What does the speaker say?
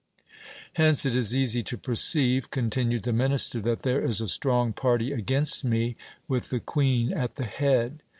Hence it is easy to perceive, continued the minister, that there is a strong party against me, with the queen at the head.